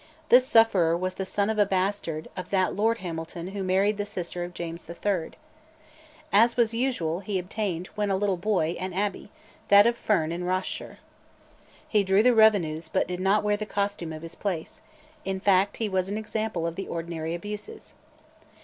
This sufferer was the son of a bastard of that Lord Hamilton who married the sister of James III. As was usual, he obtained, when a little boy, an abbey, that of Ferne in Ross shire. He drew the revenues, but did not wear the costume of his place; in fact, he was an example of the ordinary abuses.